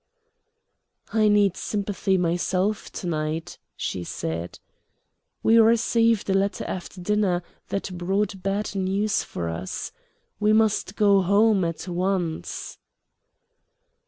"I need sympathy myself to night," she said. "We received a letter after dinner that brought bad news for us. We must go home at once."